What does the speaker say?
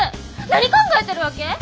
何考えてるわけ？